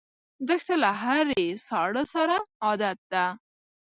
دښته له هرې ساړه سره عادت ده.